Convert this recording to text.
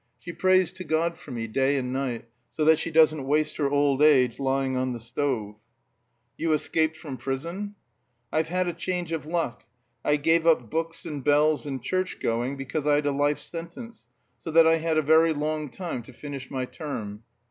She prays to God for me, day and night, so that she doesn't waste her old age lying on the stove." "You escaped from prison?" "I've had a change of luck. I gave up books and bells and church going because I'd a life sentence, so that I had a very long time to finish my term."